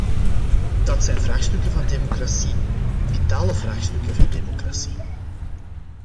Dat zijn vraagstukken van democratie, vitale vraagstukken van democratie.